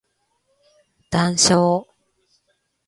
談笑